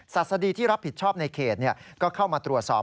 ศดีที่รับผิดชอบในเขตก็เข้ามาตรวจสอบ